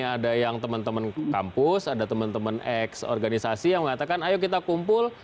ada yang teman teman kampus ada teman teman ex organisasi yang mengatakan ayo kita kumpul